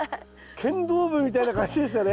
剣道部みたいな感じでしたね。